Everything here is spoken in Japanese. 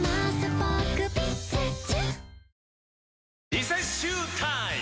リセッシュータイム！